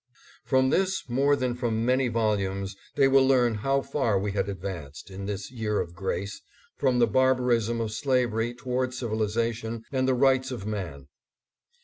From this more than from many volumes they will learn how far we had advanced, in this year of grace, from the barbarism of slavery toward civilization and the rights of man.